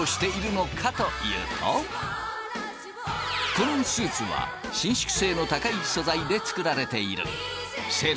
このスーツは伸縮性の高い素材で作られている。